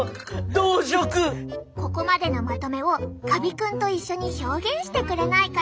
ここまでのまとめをカビ君と一緒に表現してくれないかな？